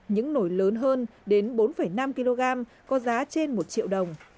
những nổi lớn hơn đến bốn năm kg có giá trên một triệu đồng